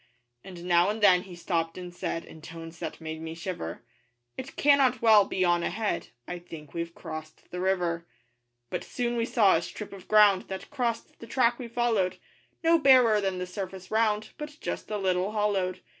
And now and then he stopped and said In tones that made me shiver 'It cannot well be on ahead, 'I think we've crossed the river.' But soon we saw a strip of ground That crossed the track we followed No barer than the surface round, But just a little hollowed.